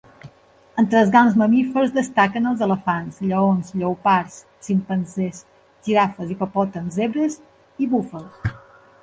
Entre els grans mamífers destaquen els elefants, lleons, lleopards, ximpanzés, girafes, hipopòtams, zebres i búfals.